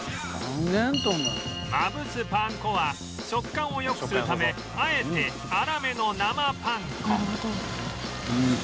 まぶすパン粉は食感を良くするためあえて粗めの生パン粉